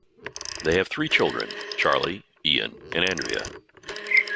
They have three children; Charlie, Ian and Andrea.